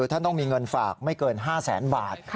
ท่านต้องมีเงินฝากไม่เกิน๕แสนบาท